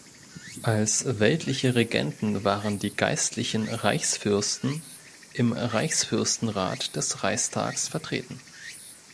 Als weltliche Regenten waren die geistlichen Reichsfürsten im Reichsfürstenrat des Reichstags vertreten.